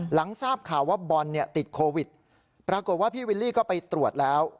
หลังทราบข่าวว่าบอลเนี่ยติดโควิดปรากฏว่าพี่วิลลี่ก็ไปตรวจแล้ว